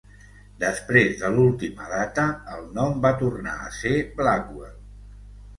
Després de l'última data, el nom va tornar a ser Blackwell.